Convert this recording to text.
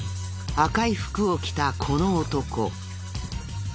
赤い服を着たこの男。